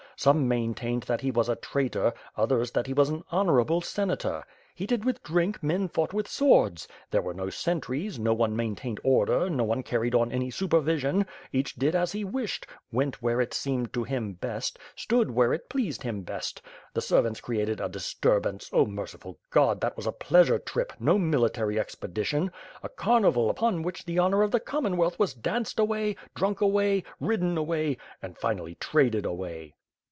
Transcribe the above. Some main tained that he was a traitor, others that he was an honorable Senator. Heated with drink, men fought with swords. There were no sentries, no one maintained order, no one car ried on any supervision; each did as he wished, went where it seemed to him best, stood where it pleased him beet. The servants created a disturbance — Oh merciful God, that was a pleasure trip, no military expedition; a carnival upon which the honor of the Commonwealth was danced away, drunk away, ridden away — and, finally, traded away."